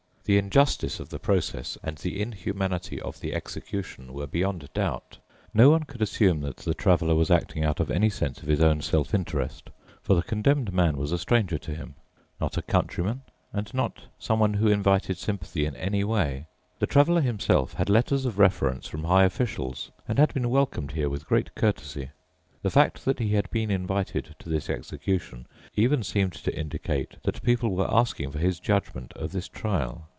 The injustice of the process and the inhumanity of the execution were beyond doubt. No one could assume that the Traveler was acting out of any sense of his own self interest, for the Condemned Man was a stranger to him, not a countryman and not someone who invited sympathy in any way. The Traveler himself had letters of reference from high officials and had been welcomed here with great courtesy. The fact that he had been invited to this execution even seemed to indicate that people were asking for his judgment of this trial.